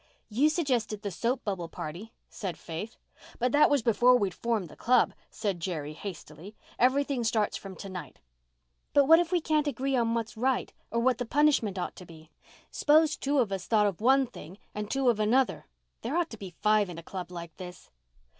"You suggested the soap bubble party," said Faith. "But that was before we'd formed the club," said Jerry hastily. "Everything starts from to night." "But what if we can't agree on what's right, or what the punishment ought to be? S'pose two of us thought of one thing and two another. There ought to be five in a club like this."